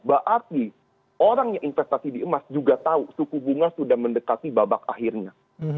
berarti orang yang investasi di emas juga tahu suku bunga sudah mendekati babak akhirnya